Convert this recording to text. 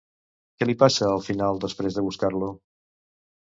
Què li passa al final, després de buscar-lo?